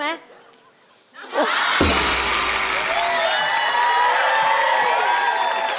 ให้ลูกร้องพอ